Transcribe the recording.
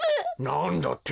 なんだって？